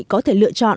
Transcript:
có thể lựa chọn